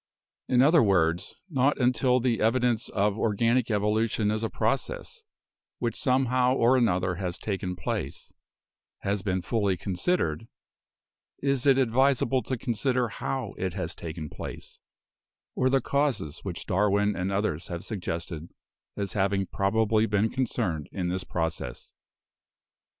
In other words, not until the evidence of organic evolution as a process, which somehow or another has taken place, has been fully considered, is it advisable to consider how it has taken place, or the causes which Darwin and others have suggested as having probably been concerned in this process.